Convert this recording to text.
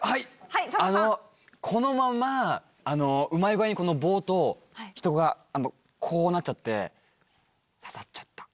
このままうまい具合に棒と人がこうなっちゃって刺さっちゃった。